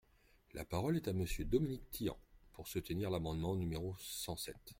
La parole est à Monsieur Dominique Tian, pour soutenir l’amendement numéro cent sept.